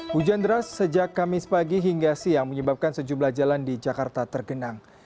hujan deras sejak kamis pagi hingga siang menyebabkan sejumlah jalan di jakarta tergenang